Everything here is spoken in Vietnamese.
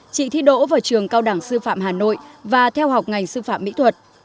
chị thi đỗ vào trường cao đẳng sư phạm hà nội và theo học ngành sư phạm mỹ thuật